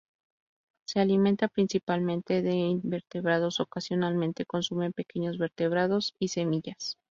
Se alimenta principalmente de invertebrados, ocasionalmente consume pequeños vertebrados y semillas.